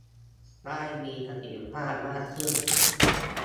ได้มีประสิทธิภาพมากขึ้น